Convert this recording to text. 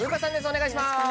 お願いします。